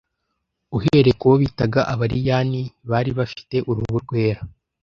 uhereye ku bo bitaga Abariyani [bari bafite uruhu rwera]